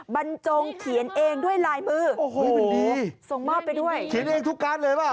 บรรจงเขียนเองด้วยลายมือโอ้โหมันดีส่งมอบไปด้วยเขียนเองทุกการ์ดเลยป่ะ